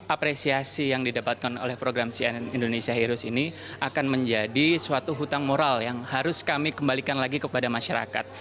apresiasi yang didapatkan oleh program cnn indonesia heroes ini akan menjadi suatu hutang moral yang harus kami kembalikan lagi kepada masyarakat